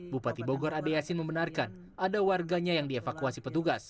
bupati bogor adeyasin membenarkan ada warganya yang dievakuasi petugas